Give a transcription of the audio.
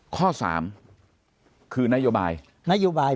ข้อ๓คือนโยบาย